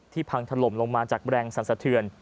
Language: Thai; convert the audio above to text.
พังถล่มลงมาจากแรงสรรสะเทือน